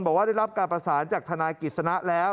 บอกว่าได้รับการประสานจากทนายกิจสนะแล้ว